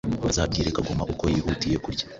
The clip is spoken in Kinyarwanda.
Azabwire kagoma uko yihutiye kurya